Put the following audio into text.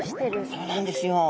そうなんですよ。